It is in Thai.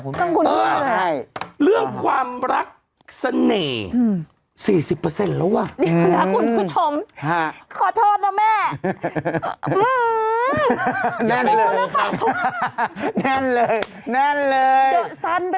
เปิดเธอที่ถึกไม่รับอีเว้นตรีน่าดัง